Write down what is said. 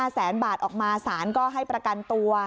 แสนบาทออกมาสารก็ให้ประกันตัว